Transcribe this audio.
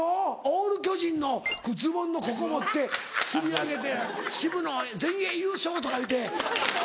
オール巨人のズボンのここ持ってつり上げて「渋野全英優勝！」とか言うて。